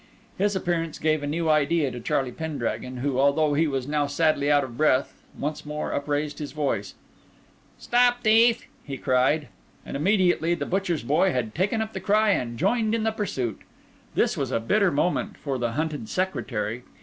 His appearance gave a new idea to Charlie Pendragon, who, although he was now sadly out of breath, once more upraised his voice. "Stop, thief!" he cried. And immediately the butcher's boy had taken up the cry and joined in the pursuit. This was a bitter moment for the hunted secretary.